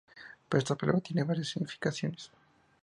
Pero esta palabra tiene varios significaciones.